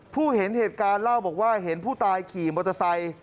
ผู้เห็นเหตุการณ์เล่าบอกว่าเห็นผู้ตายขี่มอเตอร์ไซค์